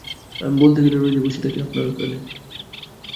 আমি বলতে গেলে রোজই বসে থাকি আপনার ওখানে।